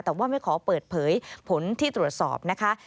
แต่ว่าไม่ขอเปิดเผยผลที่ตรวจสอบนะคะ